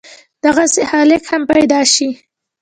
دغسې خلق هم کيدی شي